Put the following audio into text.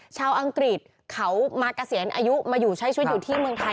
อังกฤษเขามาเกษียณอายุมาอยู่ใช้ชีวิตอยู่ที่เมืองไทย